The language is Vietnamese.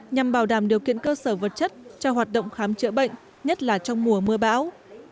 nhằm bảo đảm điều kiện cơ sở vật chất cho hoạt động khám chữa bệnh nhất là trong mùa mưa bão